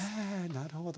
なるほど。